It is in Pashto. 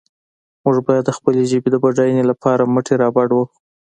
موږ باید د خپلې ژبې د بډاینې لپاره مټې رابډ وهو.